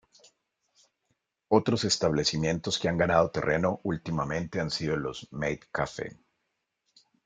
Otros establecimientos que han ganado terreno últimamente han sido los "maid cafe".